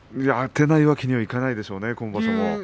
あてないわけにはいかないでしょうね、今場所も。